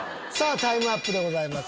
タイムアップでございます。